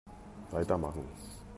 Weitermachen!